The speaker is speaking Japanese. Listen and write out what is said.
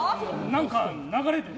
何か流れで。